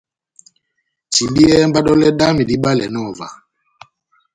Timbiyɛhɛ mba dɔlɛ dami dibalɛnɔ ová.